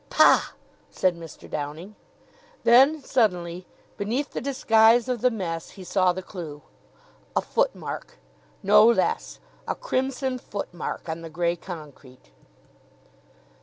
"Pah!" said Mr. Downing. Then suddenly, beneath the disguise of the mess, he saw the clue. A foot mark! No less. A crimson foot mark on the grey concrete!